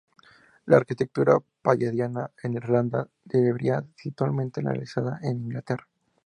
La arquitectura palladiana en Irlanda difería sutilmente de la realizada en Inglaterra.